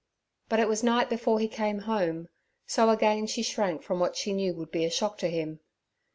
But it was night before he came home, so again she shrank from what she knew would be a shock to him.